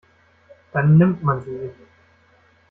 Dann nimmt man sie sich.